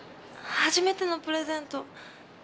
初めてのプレゼント。